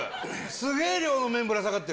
すげー量の麺ぶら下がってる。